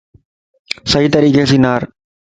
صحيح طريقي سين نار